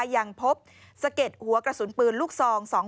ยังพบสะเก็ดหัวกระสุนปืนลูกซอง